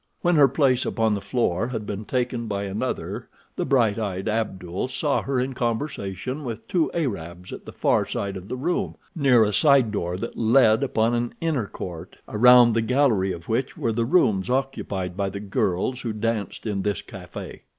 When her place upon the floor had been taken by another the bright eyed Abdul saw her in conversation with two Arabs at the far side of the room, near a side door that let upon an inner court, around the gallery of which were the rooms occupied by the girls who danced in this café.